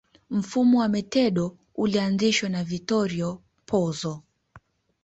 Mfumo wa metodo ulianzishwa na Vittorio Pozzo